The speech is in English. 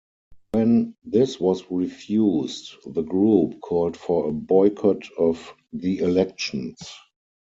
When this was refused, the group called for a boycott of the elections.